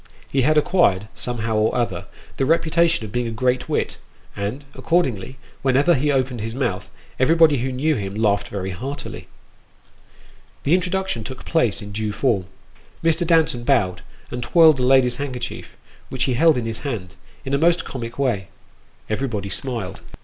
He had acquired, somehow or other, the reputation of being a great wit, and, accordingly, whenever he opened his mouth, everybody who knew him laughed very heartily. The introduction took place in due form. Mr. Danton bowed, and twirled a lady's handkerchief, which he held in his hand, in a most comic way. Everybody smiled.